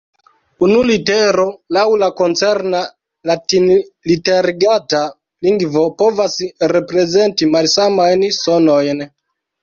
Unu litero laŭ la koncerna latinliterigata lingvo povas reprezenti malsamajn sonojn.